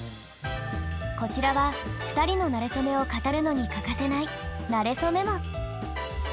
こちらは２人のなれそめを語るのに欠かせない「なれそメモ」！